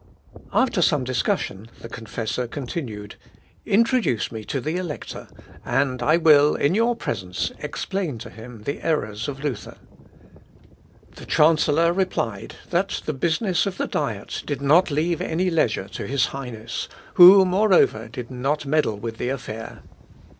After some discussion, the confessor continued, "Introduce me to the Elector, and I will, in your presence, explain to him the errors of Luther." The chancellor replied, "That the business of the Diet did not leave any leisure to his Highness, who, moreover, did not meddle with the affair."